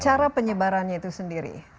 cara penyebarannya itu sendiri